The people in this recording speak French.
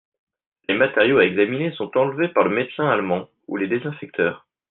Les matériaux à examiner sont enlevés par le médecin allemand, ou les désinfecteurs.